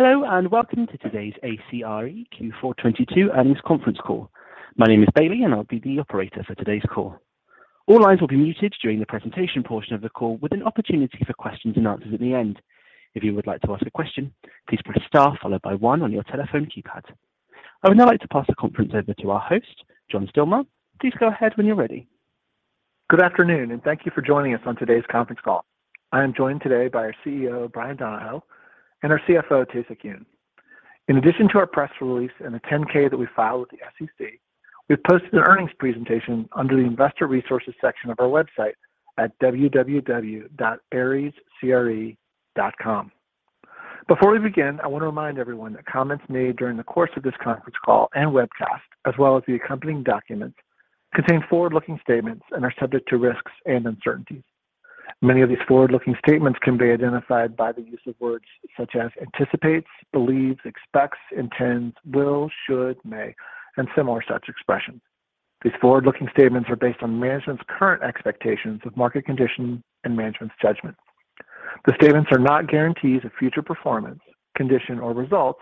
Hello and welcome to today's ACRE Q4 2022 earnings conference call. My name is Bailey, and I'll be the operator for today's call. All lines will be muted during the presentation portion of the call with an opportunity for questions and answers at the end. If you would like to ask a question, please press star followed by one on your telephone keypad. I would now like to pass the conference over to our host, John Stilmar. Please go ahead when you're ready. Good afternoon, and thank you for joining us on today's conference call. I am joined today by our CEO, Bryan Donohoe, and our CFO, Tae-Sik Yoon. In addition to our press release and the 10K that we filed with the SEC, we've posted an earnings presentation under the Investor Resources section of our website at www.arescre.com. Before we begin, I want to remind everyone that comments made during the course of this conference call and webcast, as well as the accompanying documents, contain forward-looking statements and are subject to risks and uncertainties. Many of these forward-looking statements can be identified by the use of words such as anticipates, believes, expects, intends, will, should, may, and similar such expressions. These forward-looking statements are based on management's current expectations of market conditions and management's judgment. The statements are not guarantees of future performance, condition, or results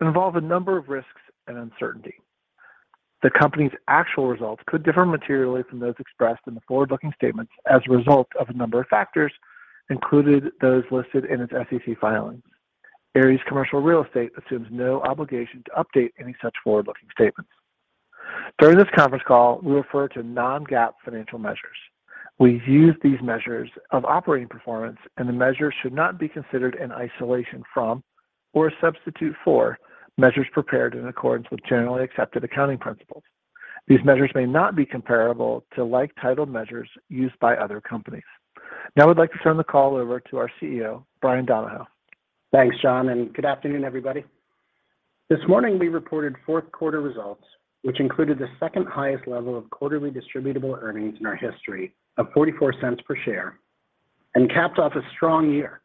and involve a number of risks and uncertainty. The company's actual results could differ materially from those expressed in the forward-looking statements as a result of a number of factors, including those listed in its SEC filings. Ares Commercial Real Estate assumes no obligation to update any such forward-looking statements. During this conference call, we refer to non-GAAP financial measures. We use these measures of operating performance, and the measures should not be considered an isolation from or a substitute for measures prepared in accordance with generally accepted accounting principles. These measures may not be comparable to like title measures used by other companies. Now I'd like to turn the call over to our CEO, Bryan Donohoe. Thanks, John, good afternoon, everybody. This morning we reported fourth quarter results, which included the second highest level of quarterly distributable earnings in our history of $0.44 per share and capped off a strong year,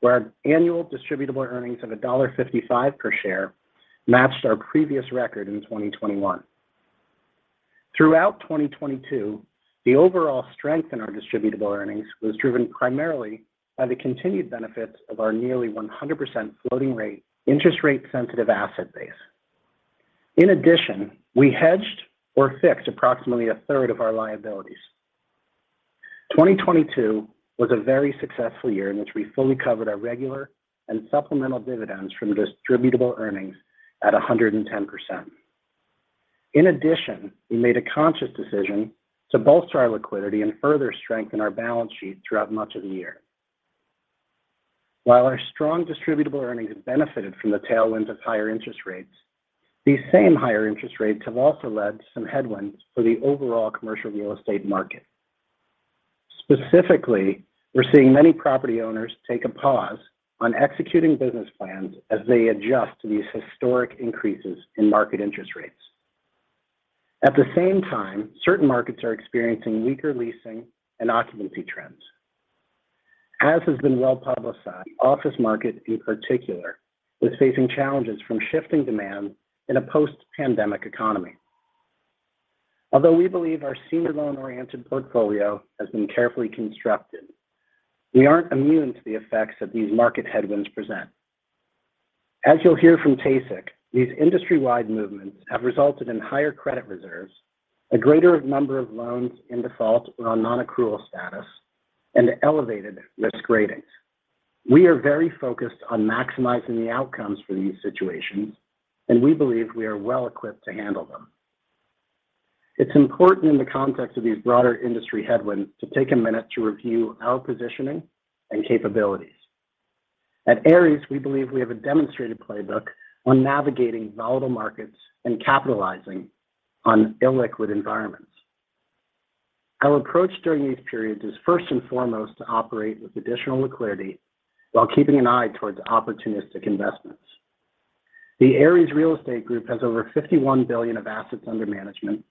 where our annual distributable earnings of $1.55 per share matched our previous record in 2021. Throughout 2022, the overall strength in our distributable earnings was driven primarily by the continued benefits of our nearly 100% floating rate, interest rate sensitive asset base. In addition, we hedged or fixed approximately a third of our liabilities. 2022 was a very successful year in which we fully covered our regular and supplemental dividends from distributable earnings at 110%. We made a conscious decision to bolster our liquidity and further strengthen our balance sheet throughout much of the year. While our strong distributable earnings benefited from the tailwinds of higher interest rates, these same higher interest rates have also led to some headwinds for the overall commercial real estate market. Specifically, we're seeing many property owners take a pause on executing business plans as they adjust to these historic increases in market interest rates. At the same time, certain markets are experiencing weaker leasing and occupancy trends. As has been well-publicized, the office market in particular was facing challenges from shifting demand in a post-pandemic economy. Although we believe our senior loan-oriented portfolio has been carefully constructed, we aren't immune to the effects that these market headwinds present. As you'll hear from Tae-Sik, these industry-wide movements have resulted in higher credit reserves, a greater number of loans in default or on non-accrual status, and elevated risk ratings. We are very focused on maximizing the outcomes for these situations, and we believe we are well equipped to handle them. It's important in the context of these broader industry headwinds to take a minute to review our positioning and capabilities. At Ares, we believe we have a demonstrated playbook on navigating volatile markets and capitalizing on illiquid environments. Our approach during these periods is first and foremost to operate with additional liquidity while keeping an eye towards opportunistic investments. The Ares Real Estate Group has over $51 billion of assets under management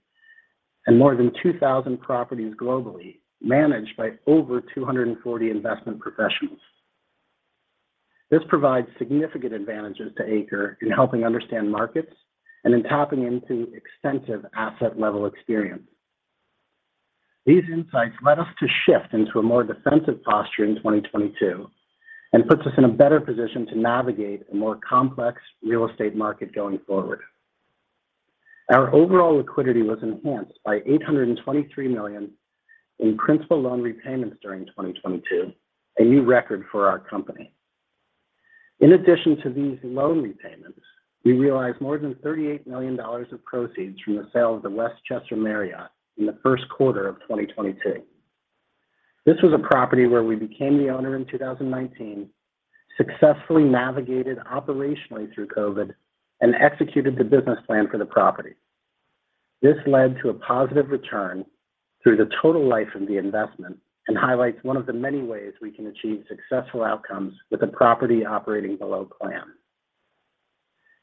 and more than 2,000 properties globally managed by over 240 investment professionals. This provides significant advantages to ACRE in helping understand markets and in tapping into extensive asset-level experience. These insights led us to shift into a more defensive posture in 2022 and puts us in a better position to navigate a more complex real estate market going forward. Our overall liquidity was enhanced by $823 million in principal loan repayments during 2022, a new record for our company. In addition to these loan repayments, we realized more than $38 million of proceeds from the sale of the Westchester Marriott in the first quarter of 2022. This was a property where we became the owner in 2019, successfully navigated operationally through COVID, and executed the business plan for the property. This led to a positive return through the total life of the investment and highlights one of the many ways we can achieve successful outcomes with a property operating below plan.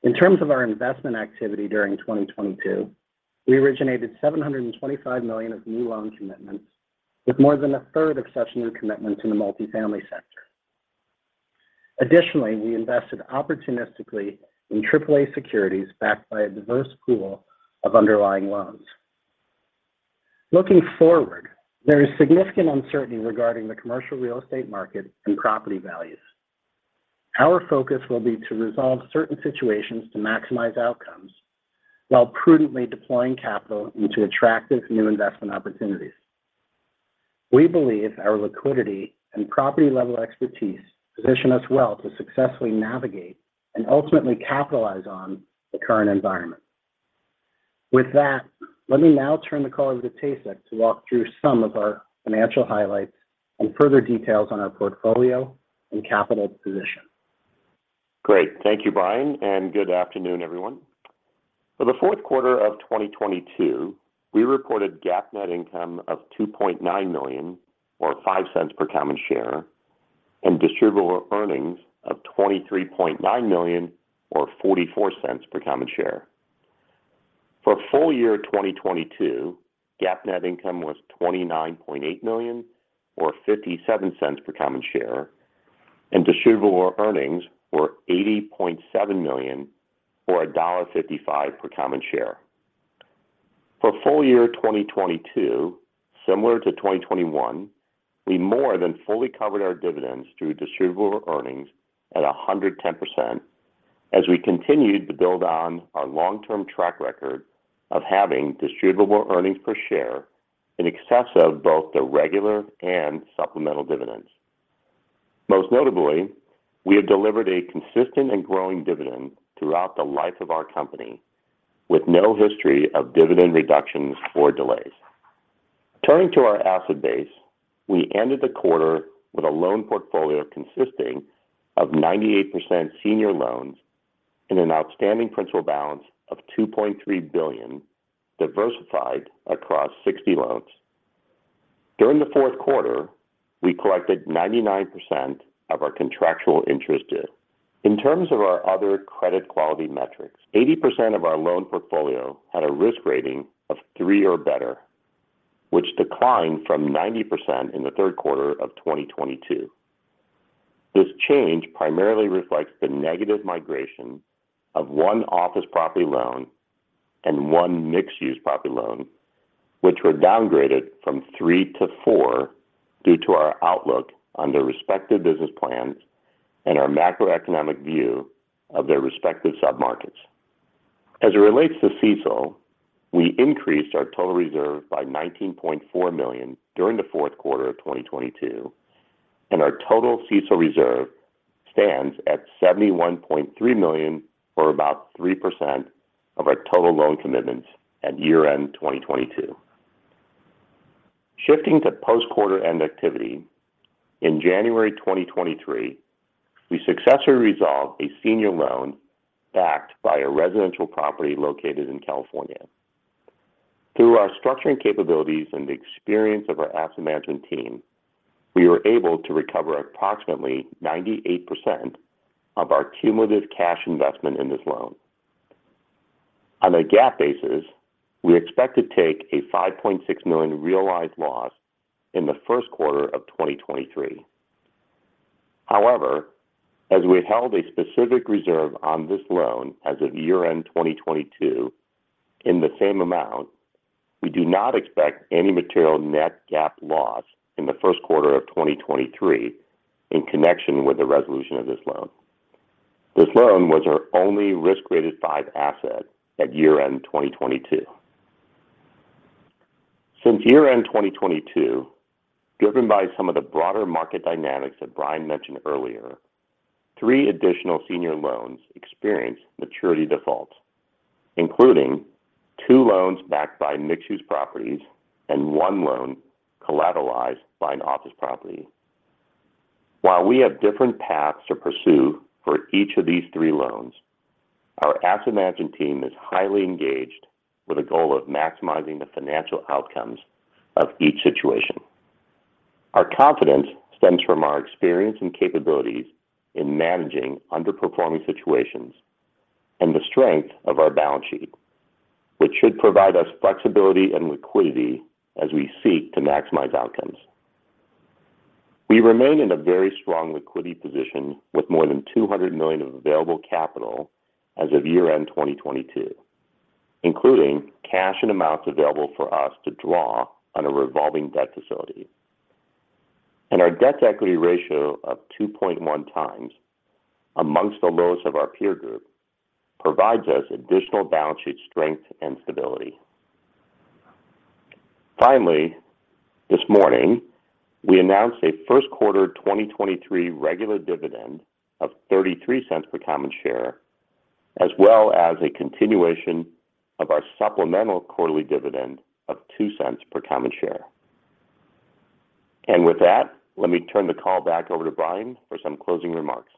In terms of our investment activity during 2022, we originated $725 million of new loan commitments with more than a third of such new commitments in the multifamily sector. Additionally, we invested opportunistically in AAA securities backed by a diverse pool of underlying loans. Looking forward, there is significant uncertainty regarding the commercial real estate market and property values. Our focus will be to resolve certain situations to maximize outcomes while prudently deploying capital into attractive new investment opportunities. We believe our liquidity and property level expertise position us well to successfully navigate and ultimately capitalize on the current environment. With that, let me now turn the call over to Tae-sik to walk through some of our financial highlights and further details on our portfolio and capital position Great. Thank you, Bryan, and good afternoon, everyone. For the fourth quarter of 2022, we reported GAAP net income of $2.9 million or $0.05 per common share and distributable earnings of $23.9 million or $0.44 per common share. For full year 2022, GAAP net income was $29.8 million or $0.57 per common share, and distributable earnings were $80.7 million or $1.55 per common share. For full year 2022, similar to 2021, we more than fully covered our dividends through distributable earnings at 110% as we continued to build on our long-term track record of having distributable earnings per share in excess of both the regular and supplemental dividends. Most notably, we have delivered a consistent and growing dividend throughout the life of our company with no history of dividend reductions or delays. Turning to our asset base, we ended the quarter with a loan portfolio consisting of 98% senior loans and an outstanding principal balance of $2.3 billion diversified across 60 loans. During the fourth quarter, we collected 99% of our contractual interest due. In terms of our other credit quality metrics, 80% of our loan portfolio had a risk rating of 3 or better, which declined from 90% in the third quarter of 2022. This change primarily reflects the negative migration of one office property loan and one mixed-use property loan, which were downgraded from 3 to 4 due to our outlook on their respective business plans and our macroeconomic view of their respective submarkets. As it relates to CECL, we increased our total reserve by $19.4 million during the Q4 2022, and our total CECL reserve stands at $71.3 million, or about 3% of our total loan commitments at year-end 2022. Shifting to post-quarter-end activity, in January 2023, we successfully resolved a senior loan backed by a residential property located in California. Through our structuring capabilities and the experience of our asset management team, we were able to recover approximately 98% of our cumulative cash investment in this loan. On a GAAP basis, we expect to take a $5.6 million realized loss in the Q1 2023. As we held a specific reserve on this loan as of year-end 2022 in the same amount, we do not expect any material net GAAP loss in the first quarter of 2023 in connection with the resolution of this loan. This loan was our only risk-rated 5 asset at year-end 2022. Since year-end 2022, driven by some of the broader market dynamics that Bryan mentioned earlier, three additional senior loans experienced maturity defaults, including two loans backed by mixed-use properties and one loan collateralized by an office property. While we have different paths to pursue for each of these three loans, our asset management team is highly engaged with a goal of maximizing the financial outcomes of each situation. Our confidence stems from our experience and capabilities in managing underperforming situations and the strength of our balance sheet, which should provide us flexibility and liquidity as we seek to maximize outcomes. We remain in a very strong liquidity position with more than $200 million of available capital as of year-end 2022, including cash and amounts available for us to draw on a revolving credit facility. Our debt-to-equity ratio of 2.1 times, amongst the lowest of our peer group, provides us additional balance sheet strength and stability. Finally, this morning, we announced a first quarter 2023 regular dividend of $0.33 per common share, as well as a continuation of our supplemental quarterly dividend of $0.02 per common share. With that, let me turn the call back over to Bryan for some closing remarks.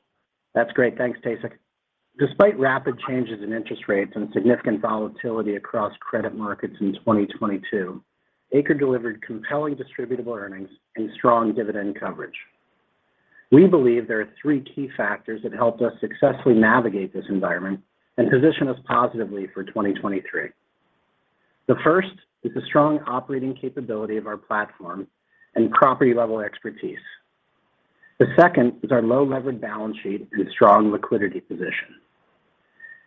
That's great. Thanks, Tae-Sik. Despite rapid changes in interest rates and significant volatility across credit markets in 2022, ACRE delivered compelling distributable earnings and strong dividend coverage. We believe there are three key factors that helped us successfully navigate this environment and position us positively for 2023. The first is the strong operating capability of our platform and property level expertise. The second is our low leverage balance sheet and strong liquidity position.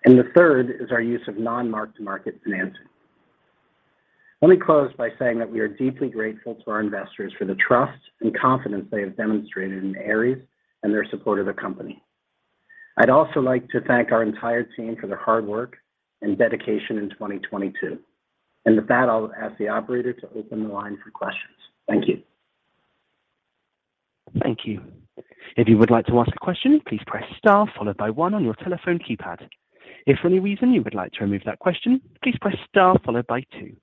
The third is our use of non-mark-to-market financing. Let me close by saying that we are deeply grateful to our investors for the trust and confidence they have demonstrated in Ares and their support of the company. I'd also like to thank our entire team for their hard work and dedication in 2022. With that, I'll ask the operator to open the line for questions. Thank you. Thank you. If you would like to ask a question, please press Star followed by 1 on your telephone keypad. If for any reason you would like to remove that question, please press Star followed by 2.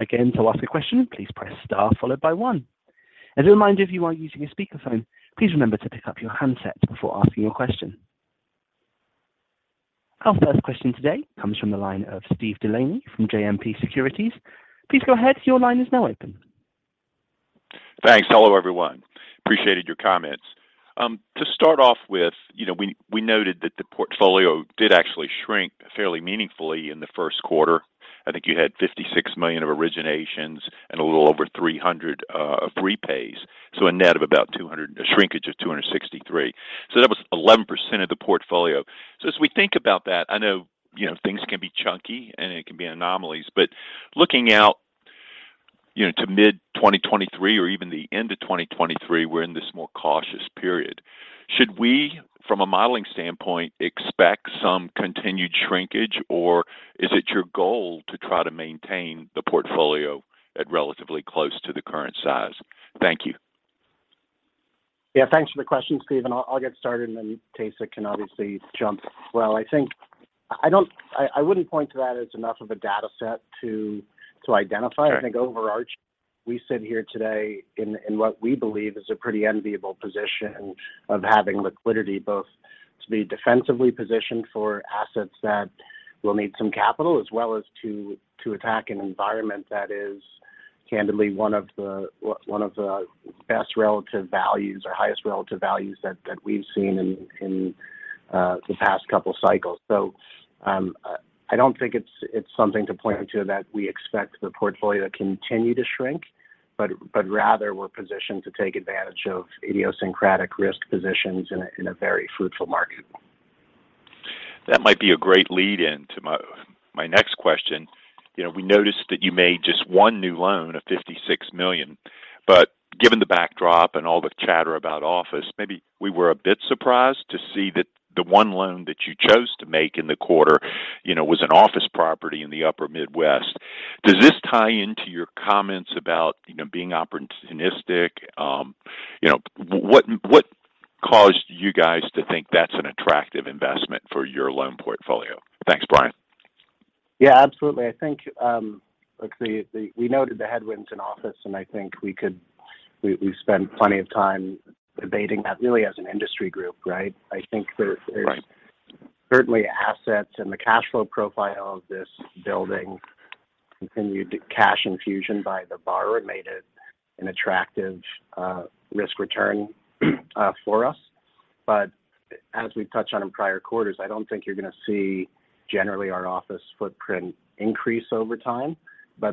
Again, to ask a question, please press Star followed by 1. As a reminder, if you are using a speakerphone, please remember to pick up your handset before asking your question. Our first question today comes from the line of Steve DeLaney from JMP Securities. Please go ahead. Your line is now open. Thanks. Hello, everyone. Appreciated your comments. To start off with, you know, we noted that the portfolio did actually shrink fairly meaningfully in the first quarter. I think you had $56 million of originations and a little over 300 repays, so a net of about a shrinkage of 263. That was 11% of the portfolio. As we think about that, I know, you know, things can be chunky and it can be anomalies, but looking out, you know, to mid-2023 or even the end of 2023, we're in this more cautious period. Should we, from a modeling standpoint, expect some continued shrinkage, or is it your goal to try to maintain the portfolio at relatively close to the current size? Thank you. Yeah, thanks for the question, Steve. I'll get started, Tae-Sik can obviously jump. Well, I think I wouldn't point to that as enough of a data set to identify. Sure. I think overarching, we sit here today in what we believe is a pretty enviable position of having liquidity both to be defensively positioned for assets that will need some capital, as well as to attack an environment that is candidly one of the best relative values or highest relative values that we've seen in the past couple cycles. I don't think it's something to point to that we expect the portfolio to continue to shrink, but rather we're positioned to take advantage of idiosyncratic risk positions in a very fruitful market. That might be a great lead-in to my next question. You know, we noticed that you made just one new loan of $56 million. Given the backdrop and all the chatter about office, maybe we were a bit surprised to see that the one loan that you chose to make in the quarter, you know, was an office property in the upper Midwest. Does this tie into your comments about, you know, being opportunistic? You know, what caused you guys to think that's an attractive investment for your loan portfolio? Thanks, Bryan. Yeah, absolutely. I think, look, we noted the headwinds in office, and I think we spend plenty of time debating that really as an industry group, right? I think there's. Right... there's certainly assets in the cash flow profile of this building. Continued cash infusion by the borrower made it an attractive risk return for us. As we've touched on in prior quarters, I don't think you're gonna see generally our office footprint increase over time.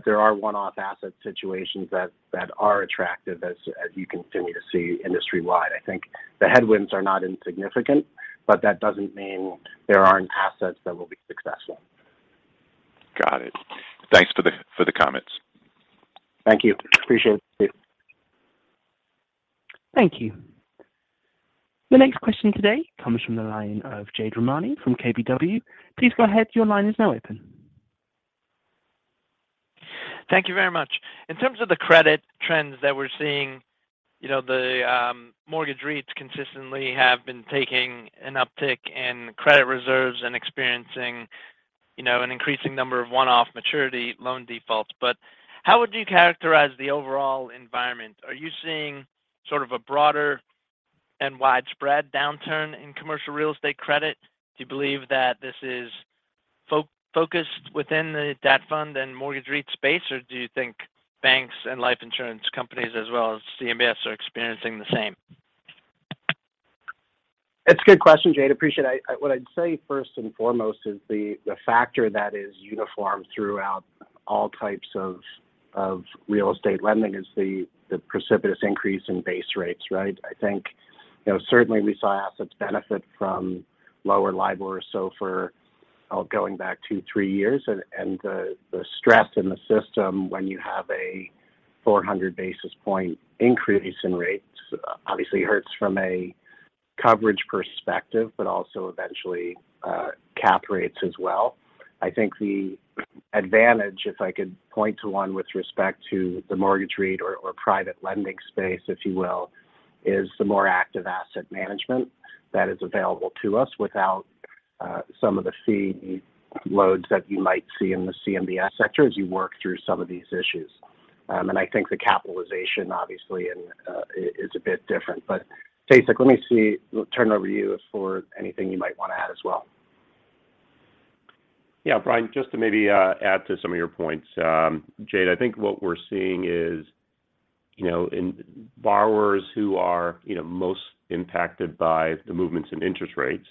There are one-off asset situations that are attractive as you continue to see industry-wide. I think the headwinds are not insignificant, but that doesn't mean there aren't assets that will be successful. Got it. Thanks for the comments. Thank you. Appreciate it, Steve. Thank you. The next question today comes from the line of Jade Rahmani from KBW. Please go ahead. Your line is now open. Thank you very much. In terms of the credit trends that we're seeing, you know, the mortgage REITs consistently have been taking an uptick in credit reserves and experiencing, you know, an increasing number of one-off maturity loan defaults. How would you characterize the overall environment? Are you seeing sort of a broader and widespread downturn in commercial real estate credit? Do you believe that this is focused within the debt fund and mortgage REIT space, or do you think banks and life insurance companies as well as CMBS are experiencing the same? It's a good question, Jade. Appreciate it. What I'd say first and foremost is the factor that is uniform throughout all types of real estate lending is the precipitous increase in base rates, right? I think, you know, certainly we saw assets benefit from lower LIBOR, SOFR, going back two, three years. The stress in the system when you have a 400 basis point increase in rates obviously hurts from a coverage perspective, but also eventually cap rates as well. I think the advantage, if I could point to one with respect to the mortgage REIT or private lending space, if you will, is the more active asset management that is available to us without some of the fee loads that you might see in the CMBS sector as you work through some of these issues. I think the capitalization obviously and, is a bit different. Tae-Sik, turn it over to you for anything you might wanna add as well. Yeah. Brian, just to maybe add to some of your points. Jade, I think what we're seeing is, you know, and borrowers who are, you know, most impacted by the movements in interest rates,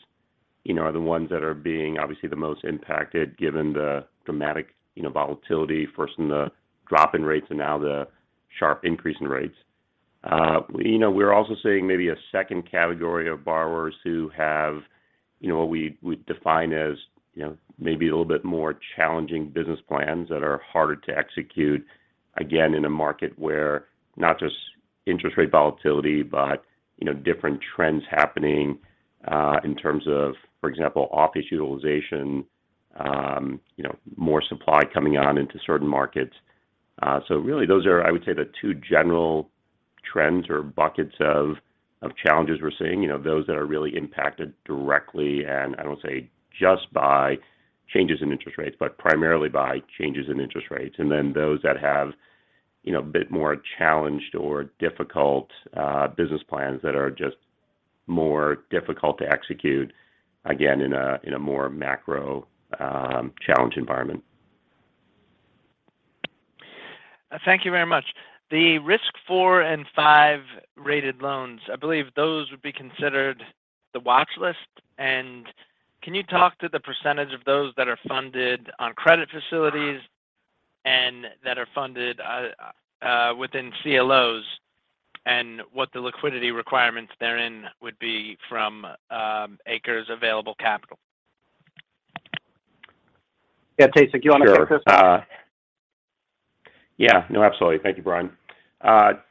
you know, are the ones that are being obviously the most impacted given the dramatic, you know, volatility first in the drop in rates and now the sharp increase in rates. You know, we're also seeing maybe a second category of borrowers who have, you know, what we define as, you know, maybe a little bit more challenging business plans that are harder to execute, again, in a market where not just interest rate volatility, but, you know, different trends happening in terms of, for example, office utilization, you know, more supply coming on into certain markets. Really those are, I would say, the two general trends or buckets of challenges we're seeing. You know, those that are really impacted directly, and I don't say just by changes in interest rates, but primarily by changes in interest rates. Those that have, you know, a bit more challenged or difficult business plans that are just more difficult to execute, again, in a more macro challenge environment. Thank you very much. The risk 4 and 5-rated loans, I believe those would be considered the watch list. Can you talk to the percentage of those that are funded on credit facilities and that are funded within CLOs and what the liquidity requirements therein would be from ACRE's available capital? Yeah. Tae-Sik, do you wanna take this one? Sure. Yeah. No, absolutely. Thank you, Brian.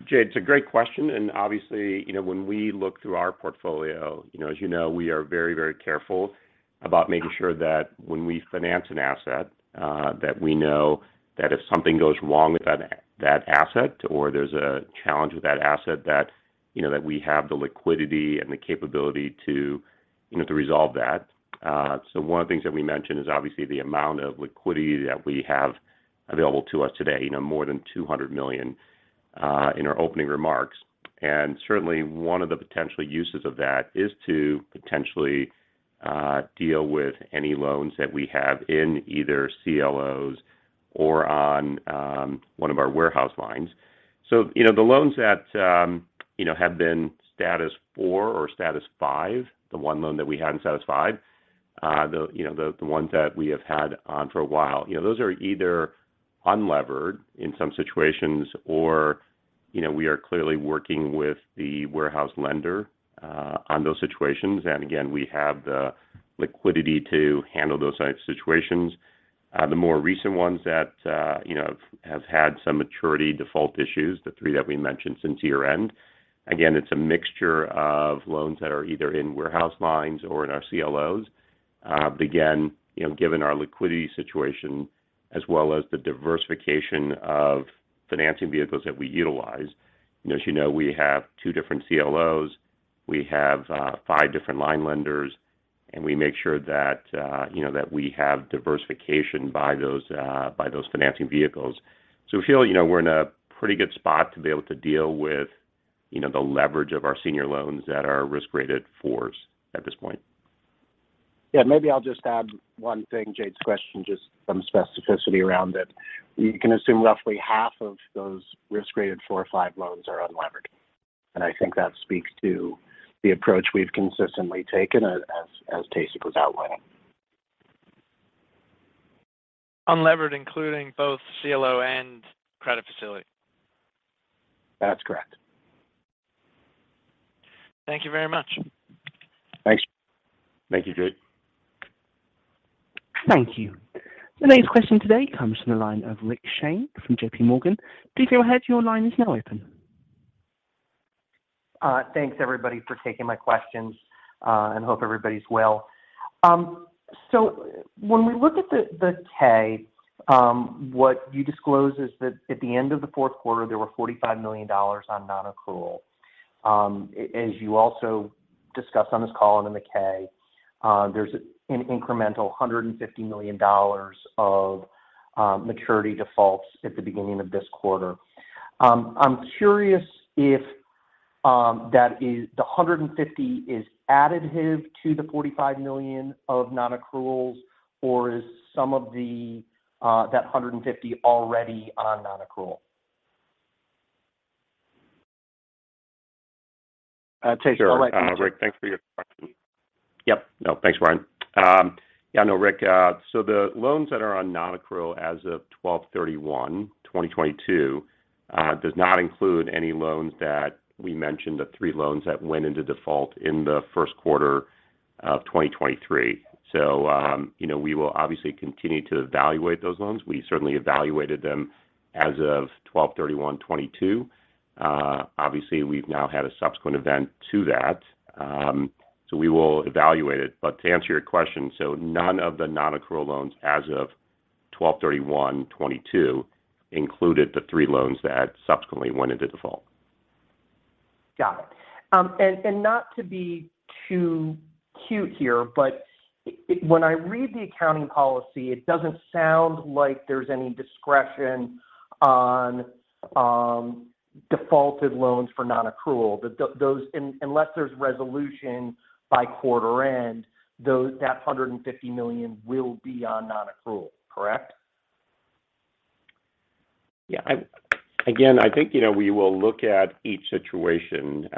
Jade, it's a great question, and obviously, you know, when we look through our portfolio, you know, as you know, we are very, very careful about making sure that when we finance an asset, that we know that if something goes wrong with that asset or there's a challenge with that asset that, you know, that we have the liquidity and the capability to, you know, to resolve that. One of the things that we mentioned is obviously the amount of liquidity that we have available to us today, you know, more than $200 million in our opening remarks. Certainly one of the potential uses of that is to potentially deal with any loans that we have in either CLOs or on one of our warehouse lines. You know, the loans that, you know, have been status four or status five, the one loan that we hadn't satisfied, the, you know, the ones that we have had on for a while, you know, those are either unlevered in some situations or, you know, we are clearly working with the warehouse lender on those situations. Again, we have the liquidity to handle those types of situations. The more recent ones that, you know, have had some maturity default issues, the three that we mentioned since year-end, again, it's a mixture of loans that are either in warehouse lines or in our CLOs. Again, you know, given our liquidity situation as well as the diversification of financing vehicles that we utilize, you know, as you know, we have two different CLOs. We have, five different line lenders. We make sure that, you know, that we have diversification by those, by those financing vehicles. We feel, you know, we're in a pretty good spot to be able to deal with, you know, the leverage of our senior loans that are risk-rated fours at this point. Yeah. Maybe I'll just add one thing, Jade's question, just some specificity around it. You can assume roughly half of those risk-rated four or five loans are unlevered. I think that speaks to the approach we've consistently taken as Tae-Sik was outlining. Unlevered including both CLO and credit facility? That's correct. Thank you very much. Thanks. Thank you, Jade. Thank you. The next question today comes from the line of Rick Shane from J.P. Morgan. Please go ahead. Your line is now open. Thanks everybody for taking my questions, and hope everybody's well. When we look at the K, what you disclose is that at the end of the fourth quarter, there were $45 million on non-accrual. As you also discussed on this call and in the K, there's an incremental $150 million of maturity defaults at the beginning of this quarter. I'm curious if the $150 is additive to the $45 million of non-accruals, or is some of that $150 already on non-accrual? Tae-Sik Yoon, I'll let you take that. Sure. Rick, thanks for your question. Yep. No, thanks, Brian. Yeah, no, Rick, the loans that are on non-accrual as of 12/31/2022, does not include any loans that we mentioned, the 3 loans that went into default in the first quarter of 2023. You know, we will obviously continue to evaluate those loans. We certainly evaluated them as of 12/31/2022. Obviously, we've now had a subsequent event to that. We will evaluate it. But to answer your question, none of the non-accrual loans as of 12/31/2022 included the 3 loans that subsequently went into default. Got it. Not to be too cute here, but when I read the accounting policy, it doesn't sound like there's any discretion on defaulted loans for nonaccrual. Unless there's resolution by quarter end, that $150 million will be on nonaccrual, correct? Yeah. I think, you know, we will look at each situation.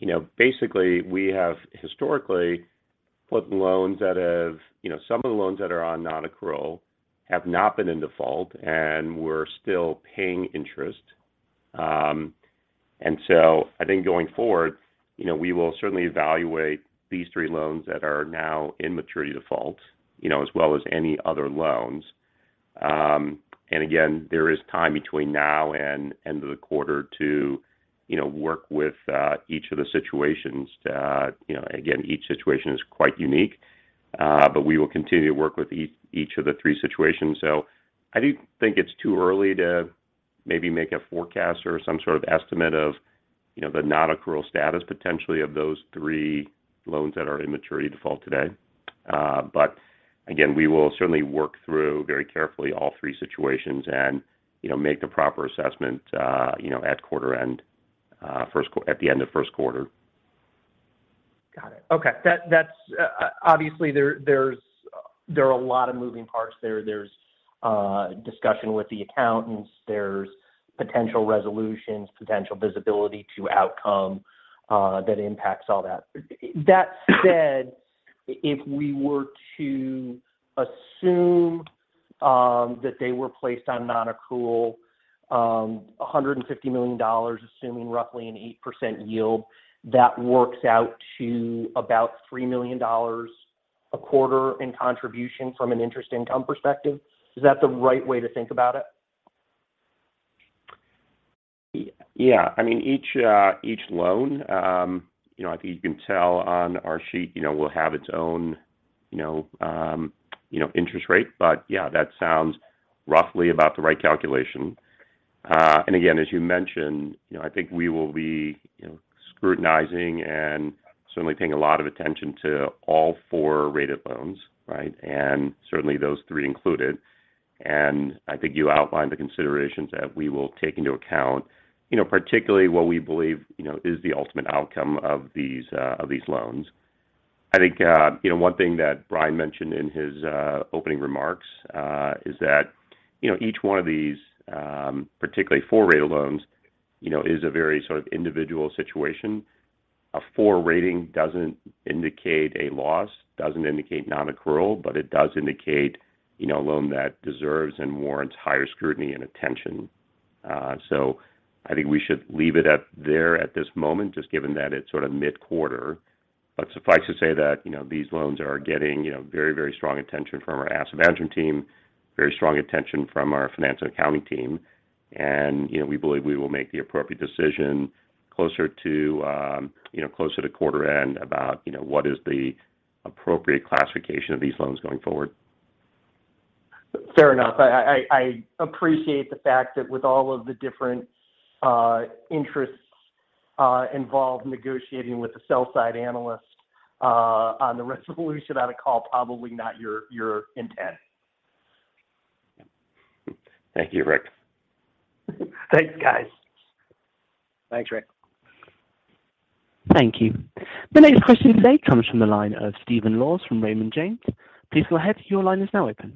You know, basically we have historically put loans that have, you know, some of the loans that are on non-accrual have not been in default, and we're still paying interest. I think going forward, you know, we will certainly evaluate these 3 loans that are now in maturity default, you know, as well as any other loans. There is time between now and end of the quarter to, you know, work with each of the situations to, you know. Each situation is quite unique, but we will continue to work with each of the 3 situations. I do think it's too early to maybe make a forecast or some sort of estimate of, you know, the non-accrual status potentially of those 3 loans that are in maturity default today. Again, we will certainly work through very carefully all 3 situations and, you know, make the proper assessment, you know, at quarter end, at the end of first quarter. Got it. Okay. That's obviously there are a lot of moving parts there. There's discussion with the accountants. There's potential resolutions, potential visibility to outcome that impacts all that. That said, if we were to assume that they were placed on non-accrual, $150 million, assuming roughly an 8% yield, that works out to about $3 million a quarter in contribution from an interest income perspective. Is that the right way to think about it? Yeah. I mean, each each loan, you know, I think you can tell on our sheet, you know, will have its own, you know, interest rate. Yeah, that sounds roughly about the right calculation. Again, as you mentioned, you know, I think we will be, you know, scrutinizing and certainly paying a lot of attention to all 4 rated loans, right? Certainly those 3 included. I think you outlined the considerations that we will take into account, you know, particularly what we believe, you know, is the ultimate outcome of these of these loans. I think, you know, one thing that Bryan mentioned in his opening remarks, is that, you know, each one of these, particularly 4 rated loans, you know, is a very sort of individual situation. A four rating doesn't indicate a loss, doesn't indicate non-accrual, it does indicate, you know, a loan that deserves and warrants higher scrutiny and attention. I think we should leave it at there at this moment, just given that it's sort of mid-quarter. Suffice to say that, you know, these loans are getting, you know, very strong attention from our asset management team, very strong attention from our finance and accounting team. You know, we believe we will make the appropriate decision closer to, you know, closer to quarter end about, you know, what is the appropriate classification of these loans going forward. Fair enough. I appreciate the fact that with all of the different interests involved, negotiating with the sell side analysts on the resolution on a call, probably not your intent. Thank you, Rick. Thanks, guys. Thanks, Rick. Thank you. The next question today comes from the line of Stephen Laws from Raymond James. Please go ahead. Your line is now open.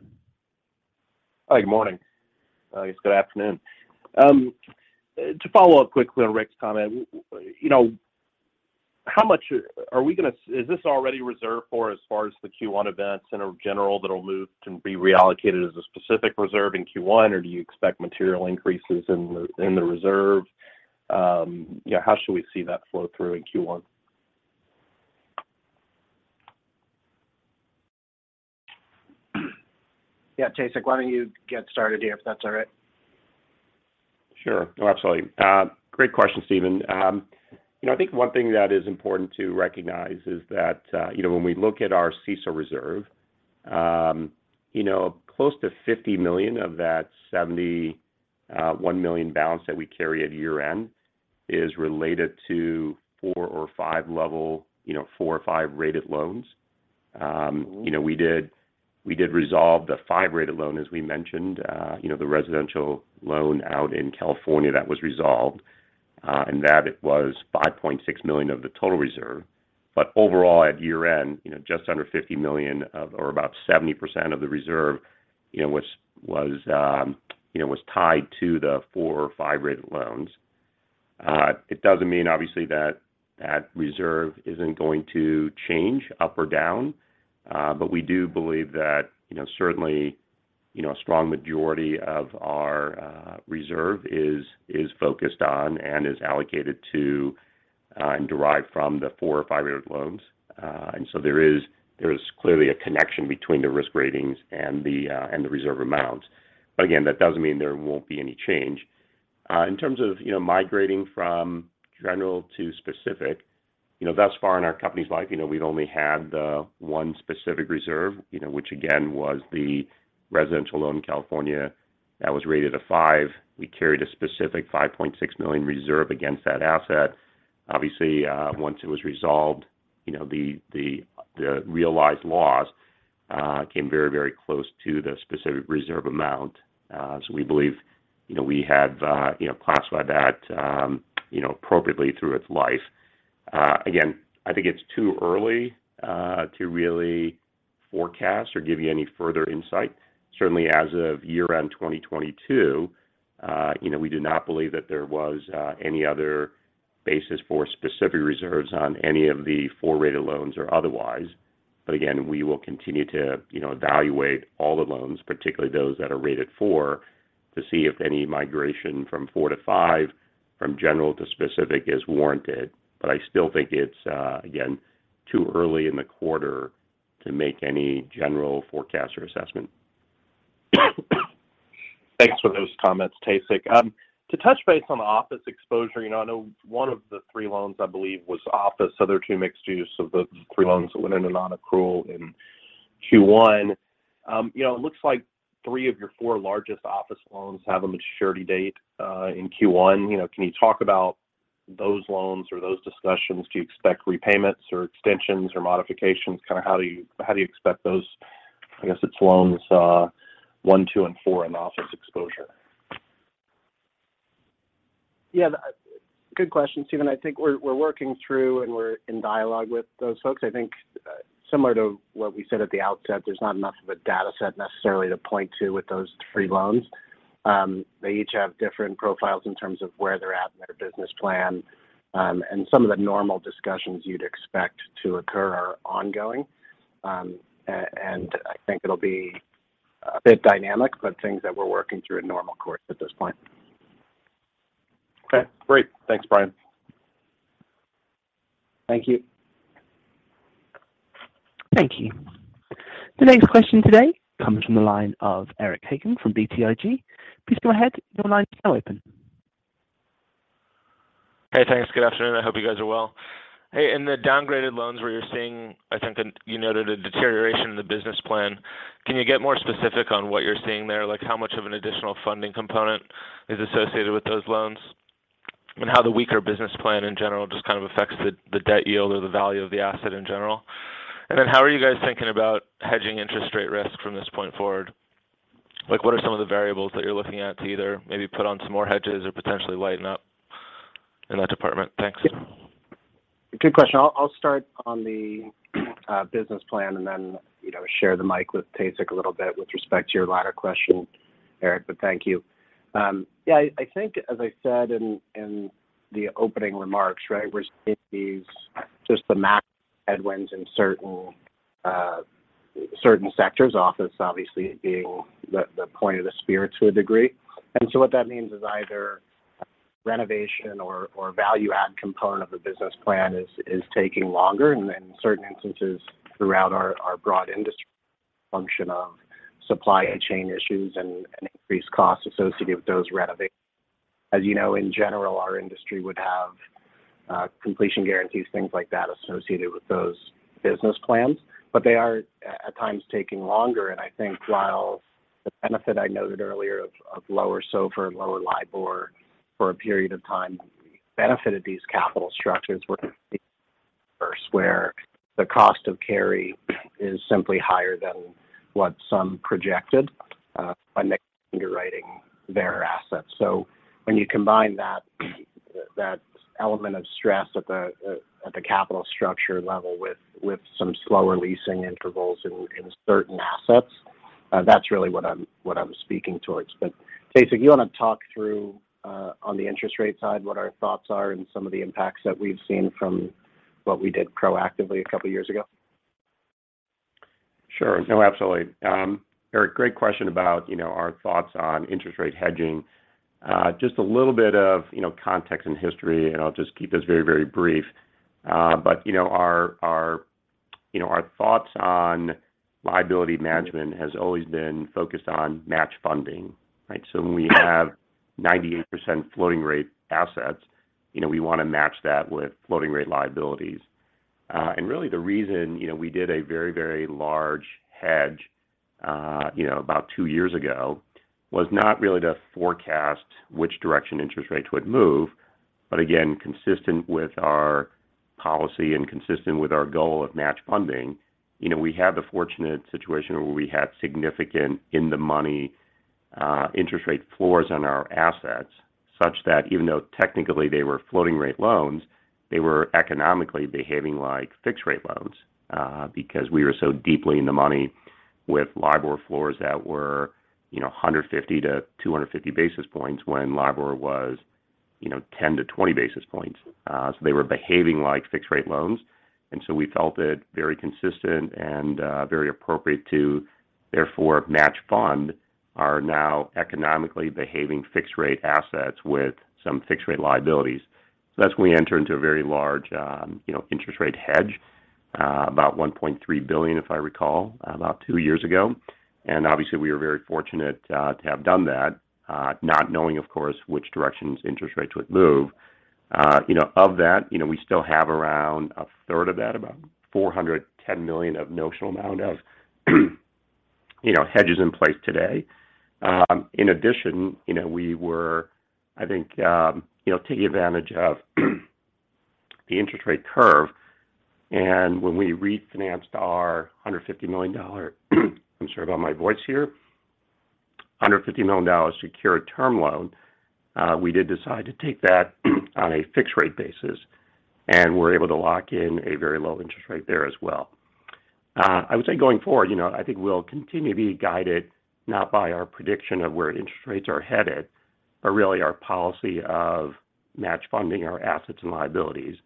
Hi. Good morning. I guess good afternoon. To follow up quickly on Rick's comment, you know, how much are we Is this already reserved for as far as the Q1 events in general that'll move to be reallocated as a specific reserve in Q1? Or do you expect material increases in the reserve? Yeah, how should we see that flow through in Q1? Yeah. Tae-Sik, why don't you get started here, if that's all right. Sure. No, absolutely. Great question, Stephen. You know, I think one thing that is important to recognize is that, you know, when we look at our CECL reserve, you know, close to $50 million of that $71 million balance that we carry at year-end is related to four or five level, you know, four or five rated loans. You know, we did resolve the five rated loan, as we mentioned, you know, the residential loan out in California that was resolved, and that it was $5.6 million of the total reserve. Overall, at year-end, you know, just under $50 million or about 70% of the reserve, you know, was, you know, was tied to the four or five rated loans. It doesn't mean obviously that that reserve isn't going to change up or down, we do believe that, you know, certainly, you know, a strong majority of our reserve is focused on and is allocated to and derived from the 4 or 5 rated loans. There is clearly a connection between the risk ratings and the reserve amounts. Again, that doesn't mean there won't be any change. In terms of, you know, migrating from general to specific, you know, thus far in our company's life, you know, we've only had the one specific reserve, you know, which again, was the residential loan in California that was rated a 5. We carried a specific $5.6 million reserve against that asset. Obviously, once it was resolved, the realized loss came very close to the specific reserve amount. We believe we have classified that appropriately through its life. Again, I think it's too early to forecast or give you any further insight. Certainly as of year-end 2022, we do not believe that there was any other basis for specific reserves on any of the 4 rated loans or otherwise. Again, we will continue to evaluate all the loans, particularly those that are rated 4, to see if any migration from 4 to 5 from general to specific is warranted. I still think it's again too early in the quarter to make any general forecast or assessment. Thanks for those comments, Tae-Sik. To touch base on the office exposure, you know, I know 1 of the 3 loans I believe was office, other 2 mixed use of the 3 loans that went into non-accrual in Q1. You know, it looks like 3 of your 4 largest office loans have a maturity date in Q1. You know, can you talk about those loans or those discussions? Do you expect repayments or extensions or modifications? How do you expect those, I guess it's loans, 1, 2, and 4 in the office exposure? Yeah. Good question, Stephen. I think we're working through and we're in dialogue with those folks. I think similar to what we said at the outset, there's not enough of a data set necessarily to point to with those three loans. They each have different profiles in terms of where they're at in their business plan, and some of the normal discussions you'd expect to occur are ongoing. I think it'll be a bit dynamic, but things that we're working through in normal course at this point. Okay. Great. Thanks, Bryan. Thank you. Thank you. The next question today comes from the line of Eric Hagen from BTIG. Please go ahead. Your line is now open. Hey, thanks. Good afternoon. I hope you guys are well. Hey, in the downgraded loans where you're seeing, I think you noted a deterioration in the business plan. Can you get more specific on what you're seeing there? Like, how much of an additional funding component is associated with those loans? How the weaker business plan in general just kind of affects the debt yield or the value of the asset in general. How are you guys thinking about hedging interest rate risk from this point forward? Like, what are some of the variables that you're looking at to either maybe put on some more hedges or potentially lighten up in that department? Thanks. Good question. I'll start on the business plan and then, you know, share the mic with Tae-Sik a little bit with respect to your latter question, Eric. Thank you. Yeah, I think as I said in the opening remarks, right, we're seeing these just the macro headwinds in certain sectors. Office obviously being the point of the spear to a degree. What that means is either renovation or value add component of the business plan is taking longer. In certain instances throughout our broad industry function of supply chain issues and increased costs associated with those renovations. As you know, in general, our industry would have completion guarantees, things like that associated with those business plans. They are at times taking longer, and I think while the benefit I noted earlier of lower SOFR and lower LIBOR for a period of time benefited these capital structures were where the cost of carry is simply higher than what some projected, by next underwriting their assets. When you combine that element of stress at the capital structure level with some slower leasing intervals in certain assets, that's really what I'm speaking towards. Tae-Sik, you wanna talk through on the interest rate side what our thoughts are and some of the impacts that we've seen from what we did proactively a couple years ago? Sure. No, absolutely. Eric, great question about, you know, our thoughts on interest rate hedging. Just a little bit of, you know, context and history, and I'll just keep this very, very brief. You know, our, you know, our thoughts on liability management has always been focused on match funding, right? When we have 98% floating rate assets, you know, we wanna match that with floating rate liabilities. Really the reason, you know, we did a very, very large hedge, you know, about two years ago, was not really to forecast which direction interest rates would move, but again, consistent with our policy and consistent with our goal of match funding. You know, we had the fortunate situation where we had significant in-the-money, interest rate floors on our assets, such that even though technically they were floating rate loans, they were economically behaving like fixed rate loans, because we were so deeply in the money with LIBOR floors that were, you know, 150 to 250 basis points when LIBOR was, you know, 10 to 20 basis points. They were behaving like fixed rate loans, and so we felt it very consistent and, very appropriate to therefore match fund our now economically behaving fixed rate assets with some fixed rate liabilities. That's when we entered into a very large, you know, interest rate hedge, about $1.3 billion, if I recall, about two years ago. Obviously we were very fortunate to have done that, not knowing, of course, which directions interest rates would move. You know, of that, you know, we still have around a third of that, about $410 million of notional amount of, you know, hedges in place today. In addition, you know, we were, I think, you know, taking advantage of the interest rate curve. When we refinanced, I'm sorry about my voice here. $150 million secured term loan, we did decide to take that on a fixed rate basis, and we're able to lock in a very low interest rate there as well. I would say going forward, you know, I think we'll continue to be guided not by our prediction of where interest rates are headed, but really our policy of match funding our assets and liabilities.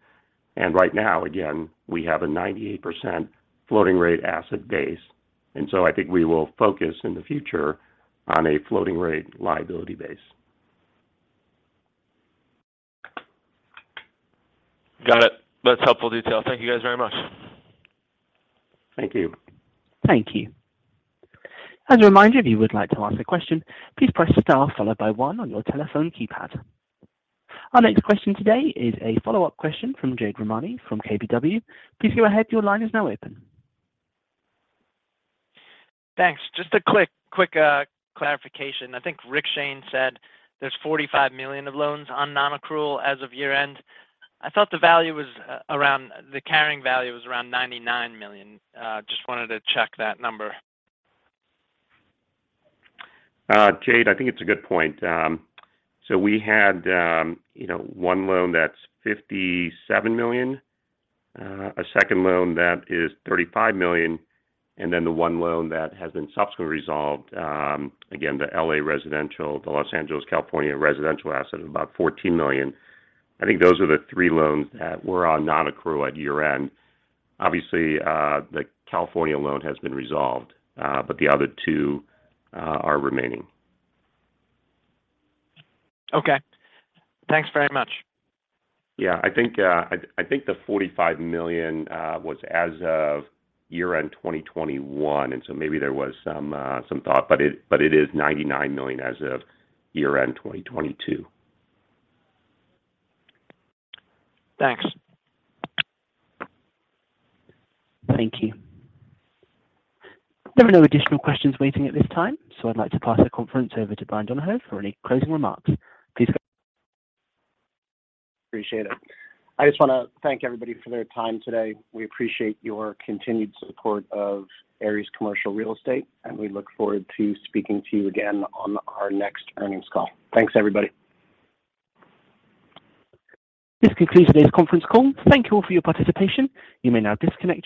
Right now, again, we have a 98% floating rate asset base, and so I think we will focus in the future on a floating rate liability base. Got it. That's helpful detail. Thank you guys very much. Thank you. Thank you. As a reminder, if you would like to ask a question, please press star followed by 1 on your telephone keypad. Our next question today is a follow-up question from Jade Rahmani from KBW. Please go ahead, your line is now open. Thanks. Just a quick clarification. I think Rick Shane said there's $45 million of loans on non-accrual as of year-end. I thought the value was the carrying value was around $99 million. Just wanted to check that number. Jade, I think it's a good point. We had, you know, 1 loan that's $57 million, a second loan that is $35 million, The 1 loan that has been subsequently resolved, again, the L.A. residential, the Los Angeles, California residential asset of about $14 million. I think those are the 3 loans that were on non-accrual at year-end. Obviously, the California loan has been resolved, the other 2 are remaining. Okay. Thanks very much. Yeah. I think the $45 million was as of year-end 2021. Maybe there was some thought. It is $99 million as of year-end 2022. Thanks. Thank you. There are no additional questions waiting at this time, so I'd like to pass the conference over to Bryan Donohoe for any closing remarks. Please go ahead. Appreciate it. I just wanna thank everybody for their time today. We appreciate your continued support of Ares Commercial Real Estate, we look forward to speaking to you again on our next earnings call. Thanks, everybody. This concludes today's conference call. Thank you all for your participation. You may now disconnect your lines.